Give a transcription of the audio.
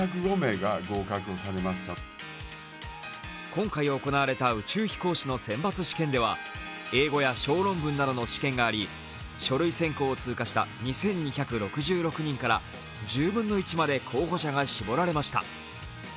今回行われた宇宙飛行士の選抜試験では英語や小論文などの試験があり書類選考を通過した２２６６人から１０分の１まで候補者が絞られました。